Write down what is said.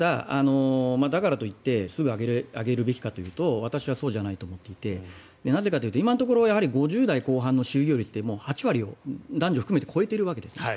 だからといってすぐに上げるべきかというと私はそうじゃないと思っていてなぜかというと今のところ５０代後半の就業率は男女含めて８割を超えているわけですね。